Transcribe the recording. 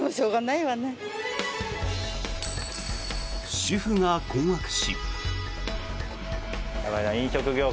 主婦が困惑し。